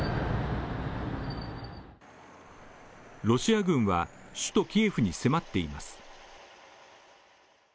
ロシア軍は、首都キエフに迫っています。